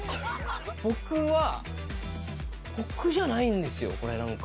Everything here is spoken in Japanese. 僕は僕じゃないんですよ、これ、なんか。